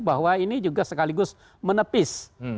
bahwa ini juga sekaligus menepis